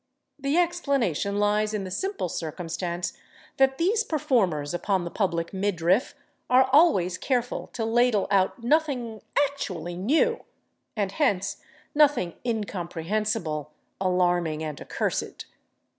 The explanation lies in the simple circumstance that these performers upon the public midriff are always careful to ladle out nothing actually new, and hence nothing incomprehensible, alarming and accursed.